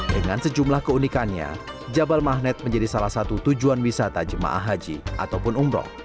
dengan sejumlah keunikannya jabal mahnet menjadi salah satu tujuan wisata jemaah haji ataupun umroh